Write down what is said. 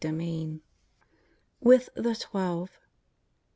XXXIV. WITH THE TWELVE.